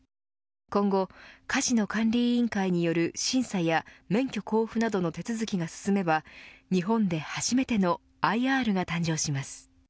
今後、カジノ管理委員会による審査や免許交付などの手続きが進めば日本で初めてのＩＲが誕生します。